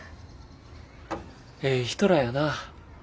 ええ人らやな。